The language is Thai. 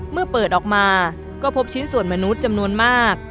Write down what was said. เมื่อเปิดออกมาก็พบชิ้นส่วนมนุษย์จำนวนมาก